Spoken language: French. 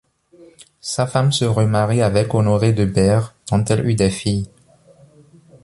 Sa femme se remarie avec Honoré de Berre, dont elle eut des filles.